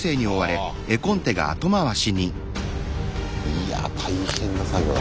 いや大変な作業だ